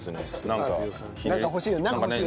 なんか欲しいよね。